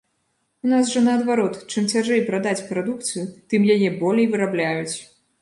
У нас жа наадварот, чым цяжэй прадаць прадукцыю, тым яе болей вырабляюць.